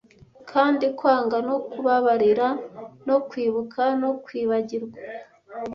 Kandi kwanga no kubabarira no kwibuka no kwibagirwa,